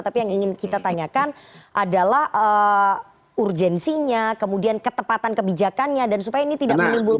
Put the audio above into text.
tapi yang ingin kita tanyakan adalah urgensinya kemudian ketepatan kebijakannya dan supaya ini tidak menimbulkan